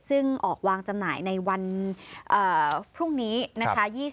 ซึ่งออกวางจำหน่ายในวันพรุ่งนี้นะคะ